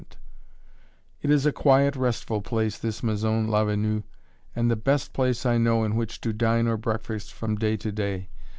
[Illustration: RODIN] It is a quiet, restful place, this Maison Lavenue, and the best place I know in which to dine or breakfast from day to day.